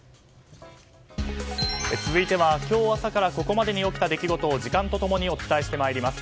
続いては今日朝からここまでに起きた出来事を時間と共にお伝えしてまいります。